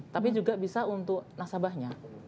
tapi juga bisa untuk nasabahnya